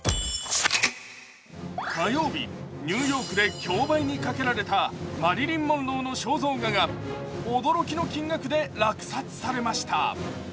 火曜日、ニューヨークで競売にかけられたマリリン・モンローの肖像画が驚きの金額で落札されました。